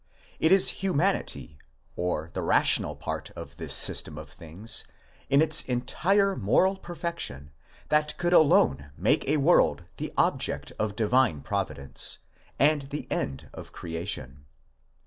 It is humanity, or the rational part of this system of things, in its entire moral perfection, that could. alone make a world the object of divine Providence, and the end of creation.